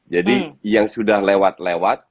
jadi yang sudah lewat lewat